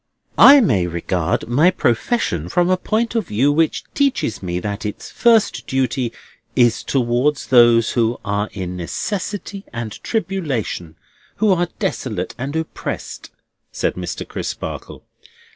"I may regard my profession from a point of view which teaches me that its first duty is towards those who are in necessity and tribulation, who are desolate and oppressed," said Mr. Crisparkle.